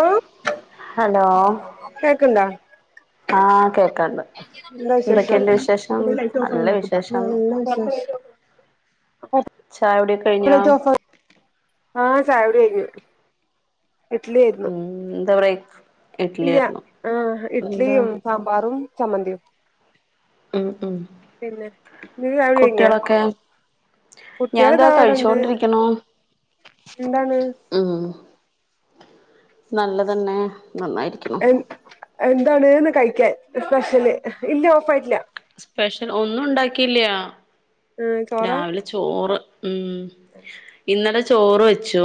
ആ ഹലോ കേക്ണ്ടാ ആ കേക്കാണ്ട്. വിശേഷം എന്തൊകെണ്ടു വിശേഷം ലൈറ്റ് ഓഫായി നല്ല നോക്ക്ട്ടാ വിശേഷം നല്ല വിശേഷം ചായുടൊക്കെ കഴിഞ്ഞോ? ലൈറ്റ് ഓഫാ ആ ചായുടി കഴിഞ്ഞു ഇഡ്ലി ആയിരുന്നു ഉം ന്താ പറയ്യ് ഇല്ല ആ ഇഡ്ലിയും സാമ്പാറും ചമ്മന്തിയും. ഉം ഉം പിന്നെ നിത് ചായുടി കഴിഞ്ഞോ കുട്ടികളൊക്കെ കുട്ടികൾ ഞാൻതാ താ അടെണ്ട് കഴിച്ചോണ്ടിരിക്കണു എന്താണ്? ആ നല്ലതന്നെ നന്നാ എ എന്താണ്ന്ന് കഴിക്കാൻ സ്പെഷ്യല് ഇല്ല ഓഫായിട്ടില്ല. സ്പെഷ്യൽ ഒന്നുണ്ടാക്കിയില്ല ആ ചോറാ രാവിലെ ചോറ് ഉം ഇന്നലെ ചോറോച്ചു.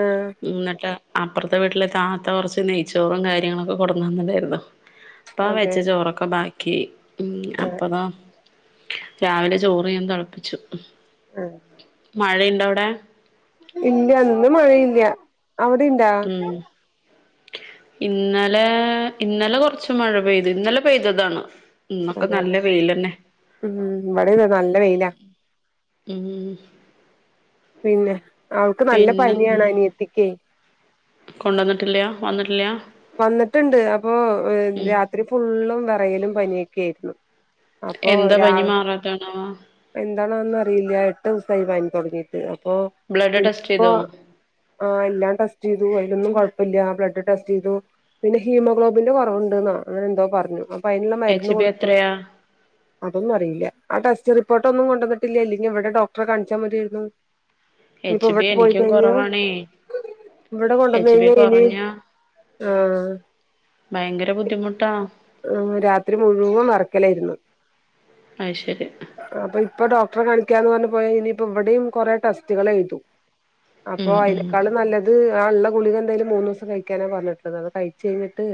ആഹ് മ് ന്നിട്ട് അപ്പുറത്തെ വീട്ടിലെ താത്ത കൊ റച്ച് നെയ്ച്ചോറും കാര്യങ്ങളൊക്കെ കൊടുങ്ങു ന്നണ്ടായിരുന്നു അപ്പ അതെ വെച്ച ചോറൊക്കെ ബാക്കിയായി ആ അപ്പതാ രാവിലെ ചോറ് ഞാൻ തെളപ്പിച്ചു ആഹ് മഴയുണ്ട വിടെ ഇല്ല ഇന്ന് മഴയില്ല അവിടെ ണ്ടാ ഉം ഇന്നലെ ഇന്നലെ കൊറച്ച് മഴ പെയ്തു ഇന്നലെ പെയ്തതാണ്. ഇന്നൊക്കെ നല്ല അതെല്ലെ വെയില്ലെന്നേ ഉം ഇവിടെ തേ നല്ല വെയിലാ ഉം പിന്നെ അവൾക്ക് നല്ല പിന്നെ പനിയാണ് അനിയത്തിക്കേ. കൊണ്ടനാട്ടില്ല വന്നട്ടില്ല. വനെട്ട്ണ്ട് അപ്പോരാത്രി ഫുള്ളും വേറെയലും പനിയൊക്കെയായിരുന്നു. എന്താ പനി മാറാത്താണവോ എന്താണോന്നറിയില്ല എട്ട് ദിവസായി പനി തുടങ്ങീട്ട് അപ്പൊ ബ്ലഡ് ടെസ്റ്റ് ഇപ്പോൊ ചെയ്തോ ആ എല്ലാം ടെസ്റ്റ് ചെയ്തു അതിലൊന്നും കൊഴപ്പല്ല്യ ബ്ലഡ് ടെസ്റ്റ് ചെയ്തു. പിന്നെ ഹീമോഗ്ലോബിന്റെ കൊറവൊണ്ടുന്നോ അങ്ങനെ എന്തോ പറഞ്ഞു അപ്പൊ അതിനുള്ള മരുന്ന് എച്ച് ബി കൊടുത്തു എത്രയാ അതൊന്നുറിയില്ല ആ ടെസ്റ്റ് റിപ്പോർട്ടൊന്നും കൊണ്ടുന്നട്ടില്ലഇല്ലേ ങ്കിൽ ഇവിടെ ഡോക്ടറെ കാണിച്ചാ മതിയായിരുന്നു ഇനിയിപ്പോ എച്ച് ബി ഇവിടെ എനിക്കും പോയിക്കഴിഞ്ഞ കുറവാണേ ഇവിടെ എച്ച് കൊണ്ടുവന്കഴിഞ്ഞ ബി ഇനീം കുറഞ്ഞ ആഹ് ഭയങ്കര ബുദ്ധിമുട്ടാ രാത്രി മുഴുവൻ വെറെകെലായിരുന്നു. അയ് ശരി പ്പൊ ഇപ്പൊ ഡോക്ടറെ കണിക്കാന്ന്റഞ് പോയാ ഇനിയിപ്പോ ഇവിടെയും കുറെ ടെസ്റ്റുകൾ എയ്തു അപ്പൊ ഉം ഉം അയിന് കളും നല്ലത് ആ ഉള്ള ഗുളിക എന്തായാലും മൂന്നുസം കഴിക്കാനാ പറഞ്ഞിട്ടുള്ളത് അത് കഴിച്ച കഴിഞ്ഞിട്ട്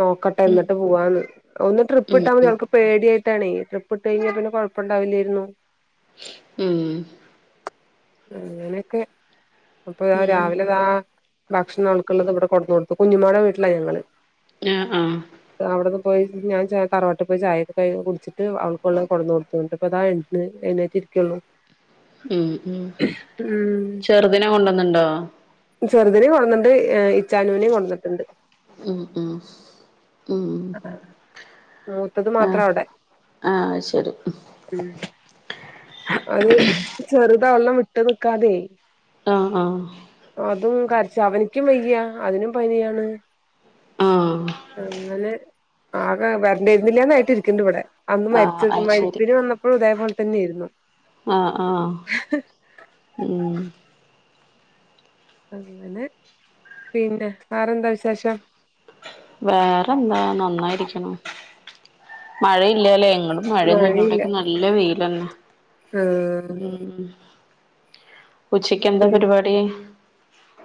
നോക്കട്ടെ ഉം ന്നിട്ട് പോവാന്ന് ഒന്ന് ട്രിപ്പ് ഉം ഇട്ടാ മതി ഉം അവൾക്ക് പേടിയായിട്ടാണ് ട്രിപ്പ് ഇട്ട് കഴിഞ്ഞാൽ പിന്നെ കുഴപ്പം ണ്ടാവില്ലായിരുന്നു ഉം അങ്ങനെക്കെ അപ്പൊതാ ഉം രാവിലെതാ ഭക്ഷണം അവൾ ക്കുള്ളത് ഇവിടെ കൊടന്ന് കൊടുത്തു കുഞ്ഞുമോടെ വീട്ടിലാ ഞങ്ങള് ഞ്ഞാ ആഹ് അവിടെന്ന് പോയി ഞാൻ ച തറവാട്ടിപോയി ചായൊക്കെ കൈ കുടിച്ചിട്ട് അവൾക്കെള്ളം കൊടന്നു കൊടുത്തു ന്നട്ട് പ്പോതാ എണീറ്റിരിക്കോള്ളു ഉം ഉം ചെറുതിനിനെ കൊണ്ടുവന്നണ്ടോ ചെറുദിനേം കൊട്ന്നിട്ടുണ്ട് ഇച്ചാനുവിനെയും കൊട്ന്നിട്ടുണ്ട് ഉം ഉം ഉ മൂത്തത് മാത്രം ആഹ് ആഹ് ശരി ഉം അത് ചെറുതവൾനേ വിട്ട്നിക്കാതെ ആഹ് ആഹ് അതും കരച്ച അവനിക്കും വയ്യ അതിനും പനിയാണ് ആഹ് അങ്ങനെ ആകെ വരണ്ടേർന്നില്ലന്ന്ട്ടിരിക്കണ്ട് ഇവിടെ അന്ന് ആഹ് മരിച്ചത് അത് ശരി മരിപ്പിന് വന്നപ്പയും ഇതേ പോലെ തന്നെരുന്നു ആഹ് ആഹ് ഉം അങ്ങനെ പിന്നെ വെറെന്താ വിശേഷം? വേറെന്താ നന്നായിരിക്ണു മഴയില്ലല്ലേ ഇങ്ങടും മഴയൊന്നുല്ല മഴയില്ല ഇവിടൊക്കെ നല്ല വെയിലന്നെ ആഹ് ഉം ഉച്ചക്കെന്താ പരിപാടി?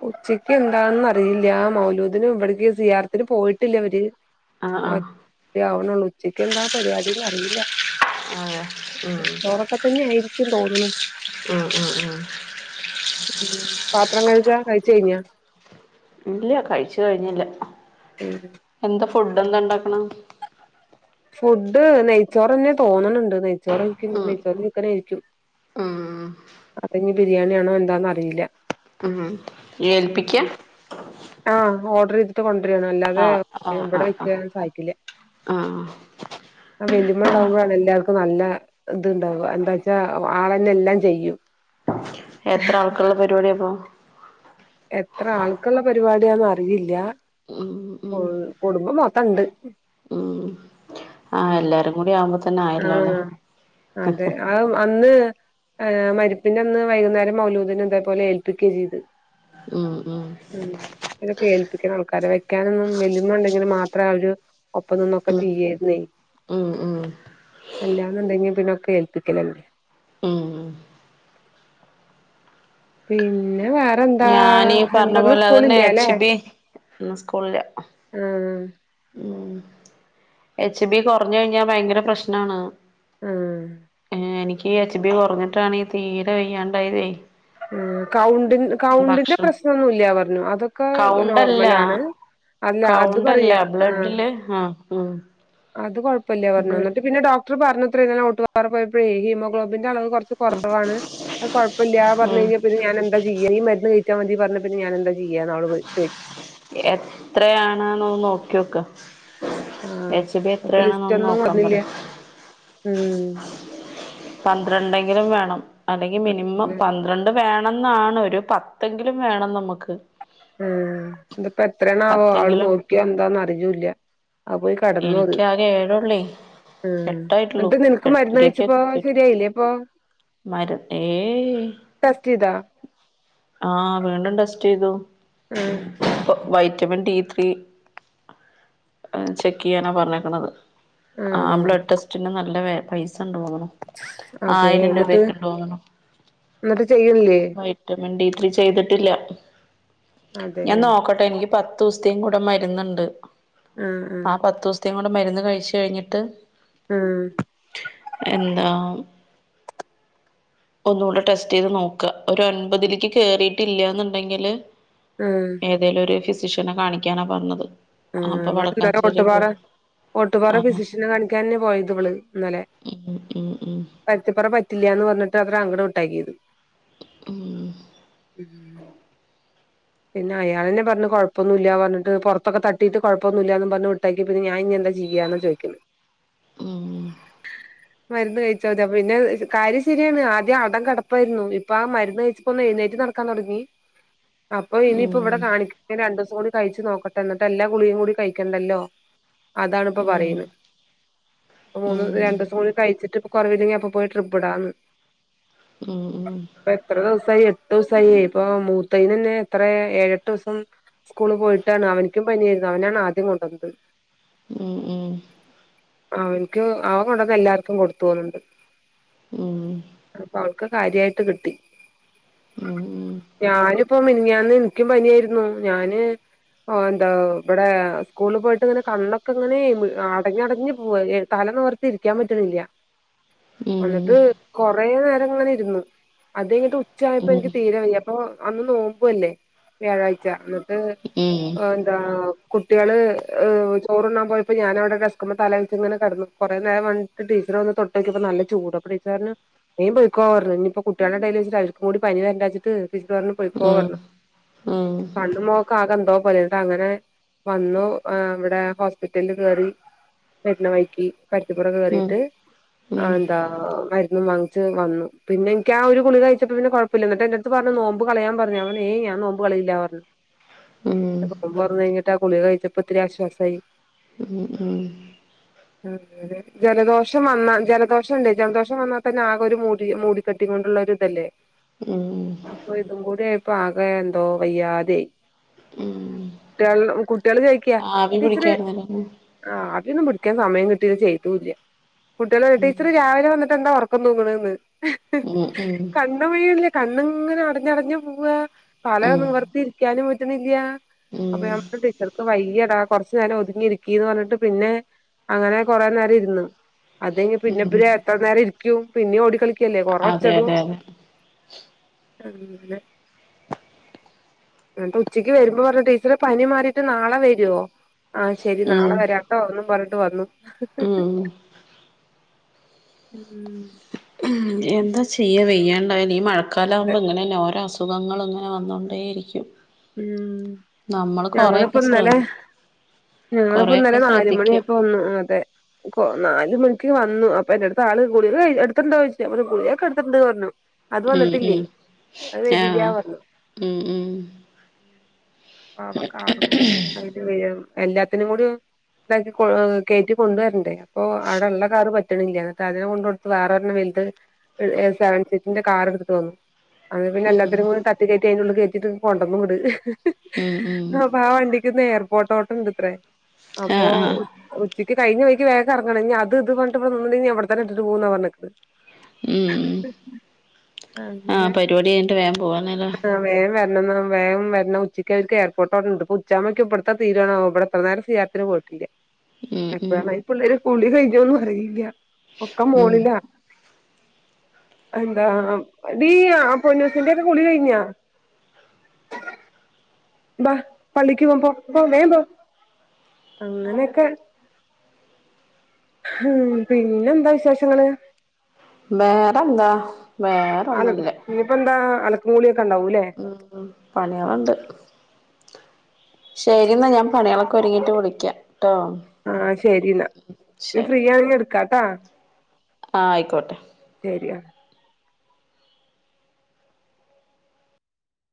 ഉച്ചക്ക് എന്താന്ന് അറിയില്ല മൗലൂദിനും ഇവിടക്ക് സിയാറത്തിന് പോയിട്ടില്ല ഇവര് ആഹ് ആഹ് ആവ്ണോള്ളൂ ഉച്ചക്ക് എന്താ പരിപാടിന്ന് അറീല ആഹ് ഉം ഇപ്പത്തന്നെ ആയിരിക്കും തോന്ന്ണ് ആഹ് ആഹ് ആഹ് ഉം പാത്രം കഴ്കാ കഴിച്ച് കഴിഞ്ഞാ ഇല്ല കഴിച്ച് കഴിഞ്ഞില്ല ഉം എന്താ ഫുഡ്ന്താ ഇണ്ടാക്ണ് ഫുഡ് നെയ്ച്ചോറ്ന്നെ തോന്ന്ണ് ണ്ട് നെയ്ച്ചോറെയ്രിക്കും ഉം നെയ്ച്ചോറും ചിക്കനും ആയിരിക്കും ഉം അതാ ഇഞ് ബിരിയാണിയാണോ എന്താന്നറിയില്ല ആഹ് ഏൽപ്പിക്കാ? ആഹ് ഓഡ്ർ ചെയ്തിട്ട് കൊണ്ട്രാണ് അല്ലാതെ ആഹ് ആഹ് ഇവിടെ ആഹ് ആഹ് വെക്കല് സായിക്കില്ല ആഹ് ആഹ് വലിമ്മ ഇണ്ടാവുമ്പഴാണ് എല്ലാർക്കും നല്ല ത്ണ്ടാവ എന്താച്ചാ ആളന്നെ എല്ലാം ചെയ്യും എത്ര ആൾക്ക്ള്ള പരിപാടിയാപ്പോ? എത്ര ആൾക്ക്ള്ള പരിപാടി ആന്ന് അറിയില്ല ഉം ഉം ഫുൾ കുടുംബം മൊത്തണ്ട് ഉം ആഹ് ഉം എല്ലാരും കൂടി ആവുമ്പോ തന്നെ ആയല്ലോ അല്ലെ ആഹ് അതെയാ ആഹ് അന്ന് മരിപ്പിന്റെ അന്ന് വൈകുന്നേരം മൗലൂദിന് ഇതേ പോലെ ഏൽപ്പിക്ക ചെയ്ത് ഉം ഉം ഉം ഇതിനോക്കെ ഏൽപ്പിക്ക്ണ ആൾക്കാരെ വെക്കാനൊന്നും വല്ലിമ്മ ഇണ്ടെങ്കില് മാത്രാ ആഹ് ഒരു ഒപ്പം നിന്നൊക്കെ ഉം ചെയ്യുന്നേ ഉം ഉം അല്ലാന്നുണ്ടെങ്കി പിന്നൊക്കെ ഏൽപ്പിക്കലന്നെ ഉം പിന്നെ വേറെന്താ ഞാനീ പറഞ്ഞ എന്താന്ന് പോലെ അതന്നെ സ്കൂളില്ലല്ലേ? എച്ച് ബി ഇന്ന് സ്കൂളില്ല ആഹ് ഉം എച്ച് ബി കോർഞ് കഴിഞ്ഞാ ഭയങ്കര പ്രശ്നാണ്. ഏഹ് ഏഹ് എനിക്ക് ഈ എച്ച് ബി കോർഞ്ഞിട്ടാണ് തീരെ വെയ്യാണ്ടായത് ഉം കൗണ്ട് കൗണ്ടിന്റെ പ്രശ്നൊന്നുല്ല്യ പർഞ്ഞു അതൊക്കെ കൗണ്ടല്ല നോർമലാണ്. അല്ല അത് കൗണ്ടല്ല പറയാ ആഹ് ബ്ലഡില് ആഹ് ഉം അത് കൊഴപ്പല്ല പർഞ്ഞു ഉം ഇന്നട്ട് പിന്നെ ഡോക്ടർ പറഞ്ഞത്രേ [unintelligible] പോയപ്പയെ ഹീമോഗ്ലോബിന്റെ അളവ് കോർച്ച് കോറവാണ് അത് കോഴപ്പല്ല പർഞ് ഉം കഴിഞ്ഞാ പിന്നെ ഞാൻ എന്താ ചെയ്യാ ഈ മര്ന്ന് കഴി ച്ചാമതി പർഞ്ഞ പിന്നെ ഞാനെന്താ ചെയ്യാ അവള് ചോയ് എത്രയാണ്ന്ന് നോക്കിയോക്ക ആഹ് അപ്പൊ ലിസ്റ്റ് ഒന്നും നോക്കാൻ പറ കോട്ന്നില്ല ഉം പന്ത്രണ്ടെങ്കിലും വേണം അല്ലെങ്കി മിനിമം പന്ത്രണ്ട് അത് വേണംന്നാണ് ഒരു പത്തെങ്കിലും വേണം നമ്മക്ക് ഉം ഇതിപ്പ എത്രണോവോ അവള് പത്തെങ്കിലും നോക്കിയോ എന്താന്നർജുല്ല അഹ് പോയി കട്ന്നു അത് എനിക്കാകെ ഏഴൊള്ളേ ആഹ് എട്ടായിട്ടുള്ളൂ അൻക്ക്‌ നിൻക്ക് മര്ന്ന് എട്ടിലേക്ക് കഴിച്ചപ്പോ ശെരിയായില്ലേ പ്പൊ മര ഹേയ് ആഹ് വീണ്ടും ടെസ്റ്റ് ചെയ്തു. ആഹ് വൈറ്റമിൻ ഡി ത്രീ ചെക്ക് ഹേ ചെയ്യാനാ പറഞ്ഞേക്കണത്. ആഹ് ബ്ലഡ് ടെസ്റ്റിന് നല്ല വേ പൈസണ്ട് തോന്നുണു. അതെ ന്ന്ട്ട് ന്ന്ട്ട് ചെയ്യ്ണില്ലേ? റ്റമിൻ ഡി ത്രി ചെയ്ത്ട്ടില്ല അതെ ഞാൻ നോക്കട്ടെ എനിക്ക് പത്തൂസ്ത്തേം കൂടെ മര്ന്ന്ണ്ട് ആഹ് പത്തൂസ്ത്തേം കൂടെ മെര്ന്ന് കഴിച്ച് കഴിഞ്ഞിട്ട്. ആഹ് എന്താം ഒന്നുകൂടെ ടെസ്റ്റ് ചെയ്ത് നോക്ക ഒരു അൻപതിലേക്ക് കേറിയിട്ടില്ല എന്നുണ്ടെങ്കില്. ഉം ഏതെലൊര് ഫിസിഷ്യനെ കാണിക്കാനാ പർഞ്ഞത്. ആ [unintelligible] ഓട്ടുപാറ ആ ഓട്ടുപാറ ഫിസിഷ്യന കാണിക്കാനന്നെ പോയത് ഇവള് ഇന്നലെ. ഉം ഉം ഉം പര്ത്തിപ്പറ പറ്റില്ല്യ ന്ന് പർഞ്ഞ്ട്ട് അവരങ്ങട് വിട്ടയക്കിത് ഉം ഉം പിന്നെ അയാളെന്നെ പർഞ് കൊഴപ്പൊന്നുല്ല പർഞ്ഞിട്ട് പൊറത്തൊക്കെ തട്ടിട്ട് കൊഴപ്പൊന്നുല്ലാന്നും പർഞ്ഞ് വിട്ടയ് പ്പ ത് ഞാൻ ഇഞ്ഞ് എന്താ ചെയ്യാ ന്ന ചോയ്കണെ? ഉം ഉം മര്ന്ന് കഴിച്ചാ തി പിന്നെ കാര്യം ശരിയാണ് ആദ്യം അടം കടപ്പായിരുന്നു ഇപ്പ ആ മര്ന്ന് പ്പൊ എഴുന്നേറ്റ് നടക്കാ തൊടങ്ങി. അപ്പ ഇനിയിപ്പ ഇവടെ ഉം കാണിക്ക രണ്ടു സം കൂടി കഴിച്ചു നോക്കട്ടെ എന്ന്ട്ട് എല്ലാ ഗുളിക കൂടി കഴിക്കണ്ടല്ലോ. അതാണ് പ്പ പറയ്ന്ന് മൂന്ന് ഉം രണ്ട്സം കൂടി കഴിച്ചിട്ട് കൊറവില്ലങ്കി അപ്പോ പോയി ട്രിപ്പ് ഇടാന്ന്. ഉം ഉം പ്പ എത്ര ദിവസായി എട്ട് സായി ഇപ്പൊ മൂത്തേനന്നെ എത്ര ഏഴെട്ട് സം സ്കൂള് പോയിട്ടാണ് അവനിക്കും പനിയായിരുന്നു അവനാണ് ആദ്യം കൊണ്ടന്നത്. [unintelligible] അവൻക്ക് അവ കൊണ്ടന്ന് എല്ലാർക്കും കൊടുത്തു തോന്ന്ണ്ട്. ഉം അപ്പ അവൾക്ക് കാര്യായിട്ട് കിട്ടി ഉം ഉം ഉം ഞാനിപ്പോ മി ന് ഇനിക്കും പനിയായിരുന്നു ഞാന്. ഓഹ് എന്താ ഇബടെ സ്കൂള് പോയിട്ട് ഇങ്ങനെ കണ്ണൊക്കെ ങ്ങനെ അടഞ്ഞടഞ്ഞ് പോവ ഏഹ് തല നിവർ ത്തിരിക്കാൻ പറ്റണില്ല. [inaudible] ഉം എന്നിട്ട് കൊറേ നേരം ഇങ്ങനെ ഇരുന്നു അതഴിഞ്ഞിട്ട് ഉം ഉം ഉം ഉച്ചായപ്പ ഉം എനിക്ക് തീരെ വയ്യ. പ്പൊ അന്ന് നോമ്പുവല്ലേ വ്യാഴാഴ്ച ന്ന്ട്ട് ന്താ കുട്ട്യള് ചോറുണ്ണാൻ പോയപ്പൊ ഞാനവടെ ഡസ്ക്ക്മെ തല വെച്ച് ഇങ്ങനെ കടന്നു കൊറേനേരം വ ടീച്ചർ വന്ന് തൊട്ടോക്കിപ്പ നല്ല ചൂട് അപ്പൊ ടീച്ചറർഞ്ഞു. വേം പൊയ്ക്കോ ർഞ്ഞ് ഇഞ്ഞിപ്പ കുട്ട്യളടേൽ അവർകൂടി പനി വരണ്ടാച്ച്ട്ട് ടീച്ചറ് ർഞ്ഞു പൊയ്ക്കോ ർഞ്ഞു. കണ്ണുമൊകക്കെ ആകെ ന്തോ പോലായ് അങ്ങനെ വന്നു ഹേ ഇവടെ ഹോസ്പിറ്റല്ല് കേറി വെര്ണ വഴിക്ക്. പര്ത്തിപ്പുറക്ക കേറീട്ട് ആഹ് ന്താ മര്ന്നും വാങ്ങിച്ച് വന്നു പിന്നെ ഇൻക്കാ ഒരു ഗുളിക കഴിച്ചപ്പോ പിന്നെ കൊ പ്പല്ല ന്ന്ട്ട് എന്റട്ത്ത് പറഞ്ഞു നോമ്പ് കളയാൻ പറഞ്ഞു. പ്പ ഞാ പറഞ്ഞു ഏയ് നോമ്പ് കളയില്ലാ പർഞ്ഞു ഉം [unintelligible] നോമ്പൊറന്നഴിഞ്ഞിട്ട് ആ ഗുളിക കഴിച്ചപ്പോ ഇത്തിരി ആശ്വാസായി. ഉം ഉം അങ്ങനെ ജലദോഷം വന്നാ ജലദോഷണ്ട് ജലദോഷം വന്നാതന്നെ ആകെ ഒരു മൂടി മൂടിക്കെട്ടി കൊണ്ടുള്ള ഒരു ഇതല്ലേ. ഉം ഇപ്പൊ ഇതുംകൂടി ആയപ്പൊ ആ എന്തോ വയ്യാതെയി ട്ട്യള് കുട്ട്യള് ചോയ് ക്ക്യ ആവി ടീച്ചറ് പിടിക്കായിരുന്നല്ലോ ഉം ആവിയൊന്നു പിടിക്കാൻ സമയം കിട്ടീ ചെയ്തൂല്ല. കുട്ടികള് ടീച്ചറ് രാവിലെ വന്നിട്ടെന്താ ഒറക്കം തൂങ്ങ്ണേന്ന് ഉം ഉം [unintelligible] കണ്ണ്ങ്ങനെ അടഞ്ഞടഞ്ഞ് പോവാ തല ഉം നുവർത്തിയിരിക്കാനും പറ്റുന്നില്ല്യ ഉം അപ്പൊ [unintelligible] ടീച്ചർക്ക് വയ്യട കൊറച്ച് നേരം ഒതുങ്ങി ഇരിക്കീന്ന് പറഞ്ഞിട്ട് പിന്നെ അങ്ങനെ കൊറേ നേരം ഇരുന്ന് അതെഴിഞ്ഞ് ഉം പിന്നെപ്പര് എത്ര നേരം ഇരിക്കു പിന്നേം ഓടിക്കളിക്കല്ലേ കൊറെ അതെ ഒച്ചടു അതെ അതെ അങ്ങനെ എന്നിട്ട് ഉച്ചയ്ക്ക് വരുമ്പോ പറഞ്ഞ് ടീച്ചറെ പനി മാറിട്ട് നാളെ വരോ ആഹ് ശെരി ഉം നാളെ വരാട്ടോ എന്നും പറഞ്ഞിട്ട് വന്നു ഉം ഉം എന്താ ചെയ്യ വെയ്യാണ്ടായാ ഈ മഴക്കാലാവുമ്പ ഇങ്ങനന്നെ ഓരോ അസു സുഖങ്ങളങ്ങനെ വന്നോണ്ടേരിക്കും ഉം ഞങ്ങളിപ്പന്നലെ ശ്രദ്ധി കൊറെയൊക്കെ ഞങ്ങളിപ്പന്നലെ നാല് ശ്രദ്ധിക്കും മണിയാപ്പ വന്നു അതെ കോ നാല് മണിക്ക് വന്നു അപ്പെന്റെടുത്ത് ആള് ഗുളിക കഴി എടുത്തിണ്ടോയിച്ച് ഞാംപറഞ് ഗുളികക്കെടുത്തിണ്ട് പറഞ്ഞു അത് ഉം വന്നിട്ടില്ലേ ഉം അത് വരില്ല്യാ ആഹ് പറഞ്ഞു ഉം ഉം പാവം കാറുംകൊണ്ട് [unintelligible] എല്ലാത്തിനുങ്കൂടി ഇതാക്കി കൊ കേറ്റി കൊണ്ട്വരണ്ടേ അപ്പോ അവിടെള്ള കാറ് പറ്റണില്ല എന്നിട്ടതിനെ കൊണ്ട് വേറൊരെണ്ണം വലുത് സെവൻ സീറ്റിന്റെ കാറ് എടുത്ത് വന്നു അത് പിന്നെ ഉം എല്ലാത്തിനെ കൂടി തട്ടികേറ്റി അയിനുള്ളി കേറ്റിട്ട് കൊണ്ടൊന്നൂങ്ങട് ഹ്ഹ് ഉം ഉം അപ്പൊ ആ വണ്ടിക്ക്ന്ന് എയർപോർട്ടോട്ടം ഇണ്ട്ത്രേ അപ്പൊ ആഹ് ആഹ് ഉച്ചക്ക് കഴിഞ്ഞ വയിക്ക് വേഗറങ്ങണം നി അത് ഇത് പറഞ്ഞിട്ട് ഇവിടെനിന്നിണ്ടെ അവിടെ തന്നെ ഇട്ടിട്ട് പോവുന്ന പറഞ്ഞേക്കണത് ഉം ഹ്ഹ് ആഹ് അങ്ങനെ പരിപാടി കഴിഞ്ഞിട്ട് വേഗം പോവാന്നല്ലേ ആഹ് വേം വര വരണംന്ന വേം വരണം ഉച്ചക്കെവര്ക്ക് എയർപോർട്ടോട്ടണ്ട്. പ്പൊ ഉച്ചാമ്പത്ത്ക്ക് ഇബ്ടത്തെ തീരുവാണോ ഇവിടെത്ര നേരം സീയാത്തിന് പോയി ല്യ ഉം ഉം എപ്പഴാണ ഇപ്പിള്ളേര് കുളി കഴിഞ്ഞോന്നും അറിയില്ല്യ ഒക്കെ ഉം മോളിലാ എന്താ ടീയ പൊന്നൂസിന്റെക്കെ കുളികഴിഞ്ഞാ [unintelligible] ബാ പള്ളിക്ക് പോം പോ വേഗം പോ അങ്ങനെയൊക്കെ ഹ്ഹം പിന്നെന്താ വിശേഷങ്ങള്?. വേറെന്താ വേറൊന്നുല്ല. ഇപ്പ എന്താ അലക്കും കൂളിയക്കെണ്ടാവൂല്ലേ?. ഉം ഉം പണികളൊണ്ട്. ശരിയെന്നാ ഞാൻ പണികളൊക്കെ ഒരുങ്ങിട്ട് വിളിക്കാം ട്ടോ. ആഹ് ശരി കാട്ടാ ആയിക്കോട്ടെ. ശെരിയാ